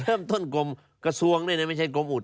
พอเริ่มต้นกรมกระทรวงด้วยไม่ใช่กรมอุด